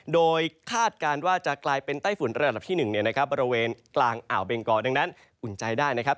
โดยคาดการณ์ว่าจะกลายเป็นไต้ฝุ่นระดับที่๑บริเวณกลางอ่าวเบงกอดังนั้นอุ่นใจได้นะครับ